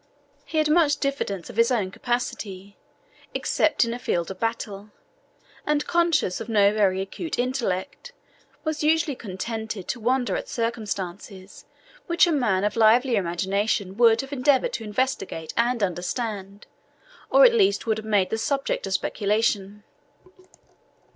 He had much diffidence of his own capacity, except in a field of battle, and conscious of no very acute intellect, was usually contented to wonder at circumstances which a man of livelier imagination would have endeavoured to investigate and understand, or at least would have made the subject of speculation.